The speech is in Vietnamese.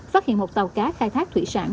phát hiện một tàu cá khai thác thủy sản